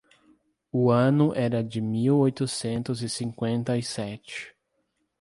o ano era de mil oitocentos e cinquenta e sete.